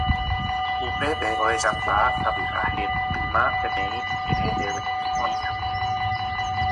Upépe ahechakuaa sapy'a hetyma peteĩ rehevénte oĩha.